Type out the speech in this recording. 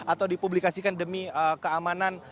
atau dipublikasikan demi keamanan